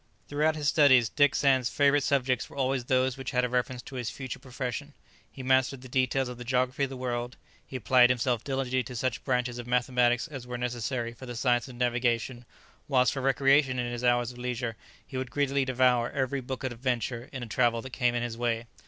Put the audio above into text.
Throughout his studies Dick Sands' favourite subjects were always those which had a reference to his future profession; he mastered the details of the geography of the world; he applied himself diligently to such branches of mathematics as were necessary for the science of navigation; whilst for recreation in his hours of leisure, he would greedily devour every book of adventure in travel that came in his way.